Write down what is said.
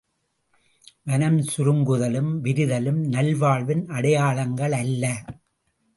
மனம் சுருங்குதலும் விரிதலும் நல்வாழ்வின் அடையாளங்களல்ல!